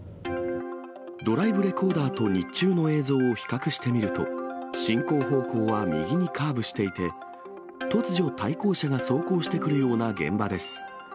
ドライブレコーダーと日中の映像を比較してみると、進行方向は右にカーブしていて、突如、対向車が走行してくるような現場です。